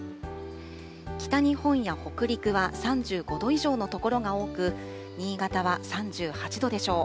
北日本や北陸は３５度以上の所が多く、新潟は３８度でしょう。